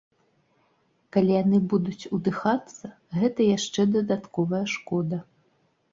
Калі яны будуць удыхацца, гэта яшчэ дадатковая шкода.